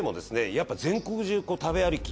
やっぱ全国中食べ歩き。